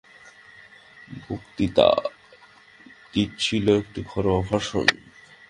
বক্তৃতাটি ছিল একটি ঘরোয়া ভাষণ।